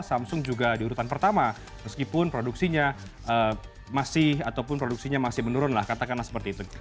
samsung juga diurutan pertama meskipun produksinya masih ataupun produksinya masih menurun lah katakanlah seperti itu